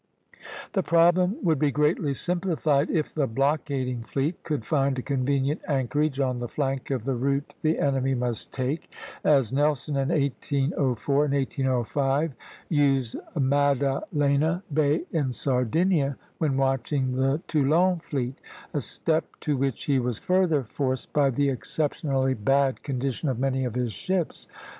The problem would be greatly simplified if the blockading fleet could find a convenient anchorage on the flank of the route the enemy must take, as Nelson in 1804 and 1805 used Maddalena Bay in Sardinia when watching the Toulon fleet, a step to which he was further forced by the exceptionally bad condition of many of his ships.